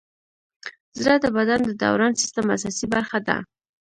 زړه د بدن د دوران سیسټم اساسي برخه ده.